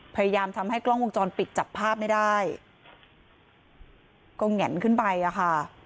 พยายามทำให้กล้องวงจรปิดจับภาพไม่ได้ก็แห่นขึ้นไปอ่ะค่ะ